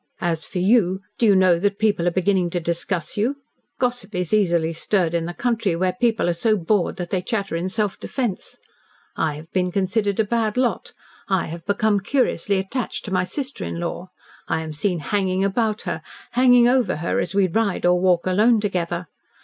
As for you do you know that people are beginning to discuss you? Gossip is easily stirred in the country, where people are so bored that they chatter in self defence. I have been considered a bad lot. I have become curiously attached to my sister in law. I am seen hanging about her, hanging over her as we ride or walk alone together.